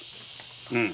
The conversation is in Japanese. うん。